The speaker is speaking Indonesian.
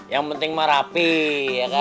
yang penting mah rapi ya kan